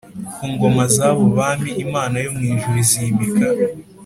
ku ngoma z abo bami Imana yo mu ijuru izimika